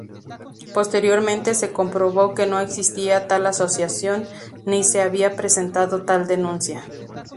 Posteriormente se comprobó que no existía tal asociación, ni se había presentado tal denuncia.